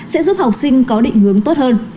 sẽ giúp học sinh có định hướng tốt hơn